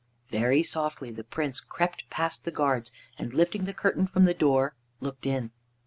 Very softly the Prince crept past the guards, and lifting the curtain from the door, looked in.